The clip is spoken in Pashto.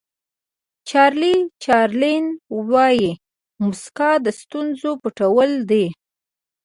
چارلي چاپلین وایي موسکا د ستونزو پټول دي.